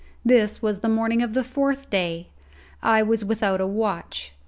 This was the morning of the fourth day. I was without a watch.